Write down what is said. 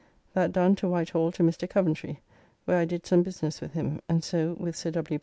That done to White Hall to Mr. Coventry, where I did some business with him, and so with Sir W.